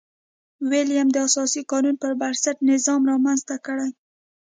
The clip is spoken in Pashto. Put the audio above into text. ویلیم د اساسي قانون پربنسټ نظام رامنځته کړي.